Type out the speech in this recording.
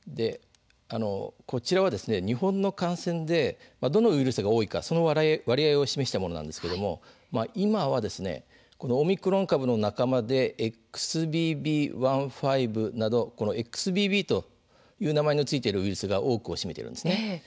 こちらは日本の感染でどのウイルスが多いかその割合を示したものなんですけれども今はオミクロン株の仲間でＸＢＢ．１．５などＸＢＢという名前の付いているウイルスが多くを占めているんです。